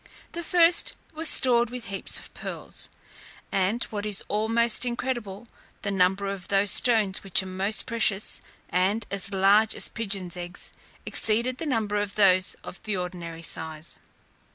The first was stored with heaps of pearls: and, what is almost incredible, the number of those stones which are most precious, and as large as pigeons' eggs, exceeded the number of those of the ordinary size.